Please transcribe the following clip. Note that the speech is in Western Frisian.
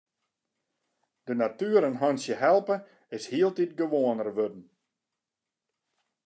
De natuer in hantsje helpe is hieltyd gewoaner wurden.